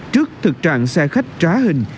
trước thực trạng xe khách trá hình